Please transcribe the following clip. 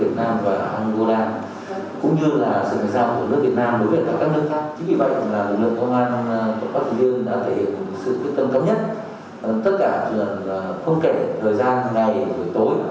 tất cả không kể thời gian ngày tuổi tối